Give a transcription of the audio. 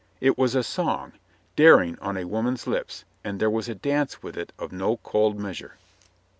It was a song, daring on a wom an's lips, and there was a dance with it of no cold measure.